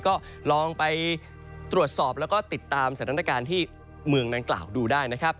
ก็ลองไปตรวจสอบแล้วก็ติดตามสถานการณ์ที่เมืองนางกล่าวดูได้นะครับ